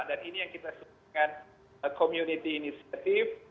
dan ini yang kita sebutkan community initiative